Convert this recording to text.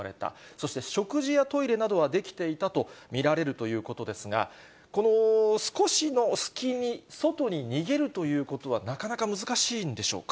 そして食事やトイレなどはできていたと見られるということですが、この少しの隙に、外に逃げるということはなかなか難しいんでしょうか。